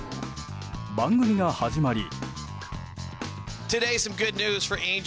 番組が始まり。